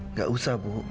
nggak usah bu